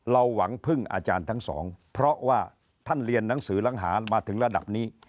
หวังพึ่งอาจารย์ทั้งสองเพราะว่าท่านเรียนหนังสือลังหารมาถึงระดับนี้